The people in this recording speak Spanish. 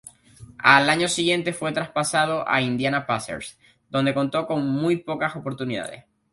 Al año siguiente fue traspasado a Indiana Pacers, donde contó con muy pocas oportunidades.